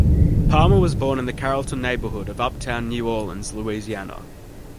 Palmer was born in the Carrollton neighborhood of uptown New Orleans, Louisiana.